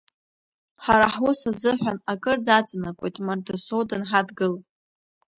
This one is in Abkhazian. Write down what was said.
Ҳара ҳус азыҳәан акырӡа аҵанакуеит Мардасоу данҳадгыла.